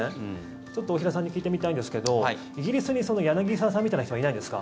ちょっと大平さんに聞いてみたいんですけどイギリスに柳澤さんみたいな人はいないんですか？